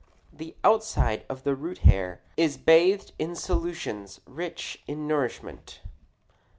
The outside of the root hair is bathed in solutions rich in nourishment.